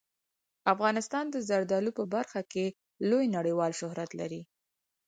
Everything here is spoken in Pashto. افغانستان د زردالو په برخه کې لوی نړیوال شهرت لري.